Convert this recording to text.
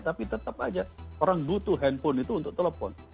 tapi tetap aja orang butuh handphone itu untuk telepon